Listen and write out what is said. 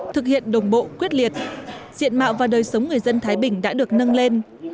thực hiện đồng bộ quyết liệt diện mạo và đời sống người dân thái bình đã được nâng lên